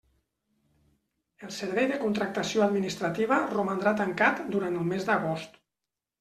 El Servei de Contractació Administrativa romandrà tancant durant el mes d'agost.